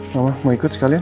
mama mau ikut sekalian